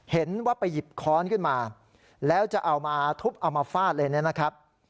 เห็นว่าไปหยิบค้อนขึ้นมาแล้วจะเอามาทุบเอามาฟาดเลยเนี่ยนะครับ